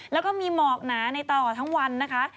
แล้วก็มีหมอกหนาในตลอดทั้งวันนะคะ